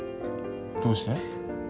どうして？